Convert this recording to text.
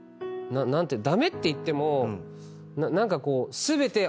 駄目っていっても何かこう。